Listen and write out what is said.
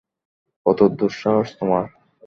কত দুঃসাহস তোমার?